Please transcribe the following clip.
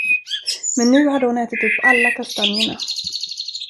Men nu hade hon ätit upp alla kastanjerna.